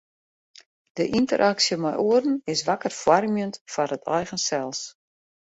De ynteraksje mei oaren is wakker foarmjend foar it eigen sels.